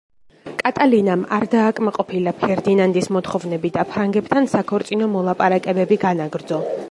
კატალინამ არ დააკმაყოფილა ფერდინანდის მოთხოვნები და ფრანგებთან საქორწინო მოლაპარაკებები განაგრძო.